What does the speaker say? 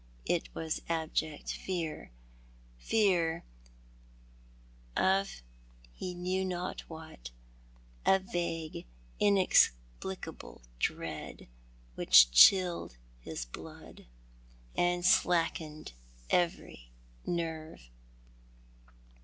It was abject fear, fear of he knew not what, a vague, inexplicable dread which chilled his blood, io6 Thou art the Man. and slackened every nerve.